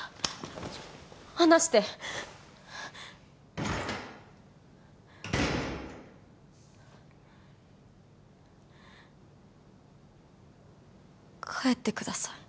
離して帰ってください